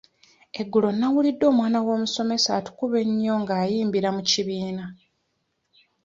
Eggulo nawulidde omwana w'omusomesa atukuba ennyo ng'ayimbira mu kibiina.